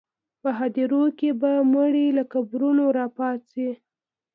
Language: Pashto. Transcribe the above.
په هدیرو کې به مړي له قبرونو راپاڅي.